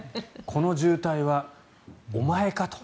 この渋滞はお前かと。